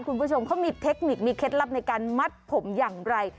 คุณผู้ชมเขามีเทคนิคมีเคล็ดลับในการมัดผมอย่างไร